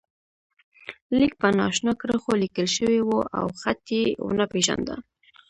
لیک په نا آشنا کرښو لیکل شوی و او خط یې و نه پېژانده.